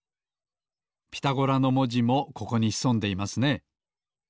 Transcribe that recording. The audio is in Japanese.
「ピタゴラ」のもじもここにひそんでいますね。